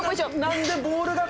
何でボールが？